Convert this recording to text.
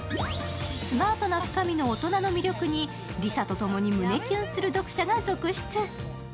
スマートな深見の大人な魅力にリサと共に胸キュンする読者が続出。